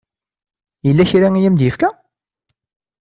Yella kra i am-d-yefka?